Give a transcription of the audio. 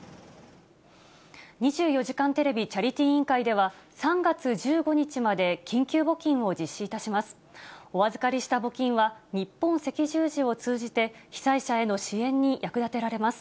２４時間テレビチャリティー委員会では、３月１５日まで緊急募金を実施いたします。